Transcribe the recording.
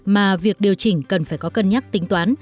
mà việc điều chỉnh cần phải có cân nhắc tính toán